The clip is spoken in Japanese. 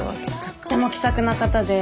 とっても気さくな方で。